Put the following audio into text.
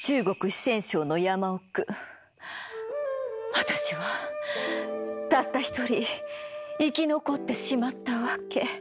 私はたった一人生き残ってしまったわけ。